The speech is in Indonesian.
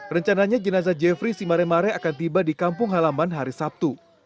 rencananya jenazah jeffrey si mare mare akan tiba di kampung halaman hari sabtu